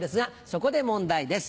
そこで問題です。